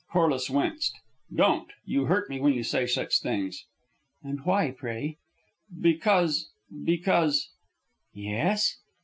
Corliss winced. "Don't! You hurt me when you say such things." "And why, pray?" "Because because " "Yes?"